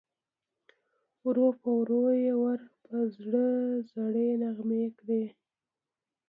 ورو په ورو یې ور په زړه زړې نغمې کړې